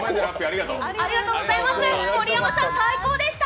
盛山さん、最高でした！